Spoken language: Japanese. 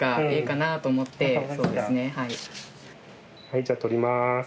はいじゃあ撮ります。